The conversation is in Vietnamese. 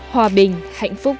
hòa bình hạnh phúc